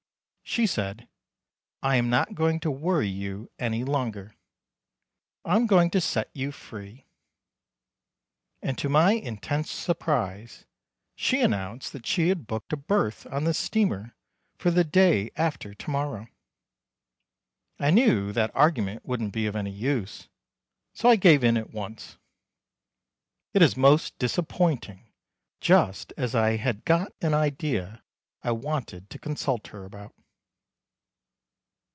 She said: "I am not going to worry you any longer. I am going to set you free." And to my intense surprise she announced that she had booked a berth on the steamer for the day after to morrow. I knew that argument wouldn't be of any use, so I gave in at once. It is most disappointing just as I had got an idea I wanted to consult her about.